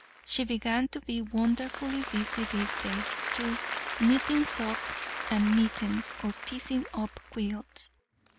She began to be wonderfully busy these days, too, knitting socks and mittens, or piecing up quilts.